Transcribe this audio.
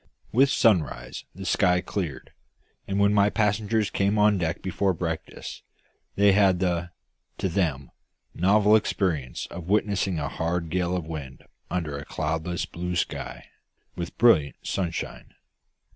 With sunrise the sky cleared; and when my passengers came on deck before breakfast, they had the to them novel experience of witnessing a hard gale of wind under a cloudless blue sky, with brilliant sunshine.